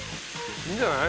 いいんじゃない？